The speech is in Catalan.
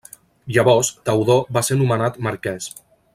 Llavors, Teodor va ser nomenat marquès.